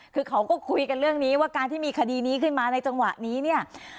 คือเขาก็คุยกันเรื่องนี้ว่าการที่มีคดีนี้ขึ้นมาในจังหวะนี้เนี่ย